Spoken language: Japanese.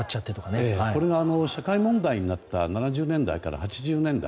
これが社会問題になった７０年代から８０年代。